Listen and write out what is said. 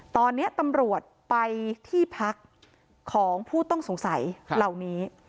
ตอนนี้ตำรวจไปที่พักของผู้ต้องสงสัยเหล่านี้